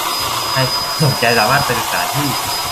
ใครสนใจสามารถไปศึกษาที่